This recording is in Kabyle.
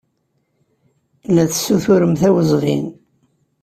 La tessuturemt awezɣi.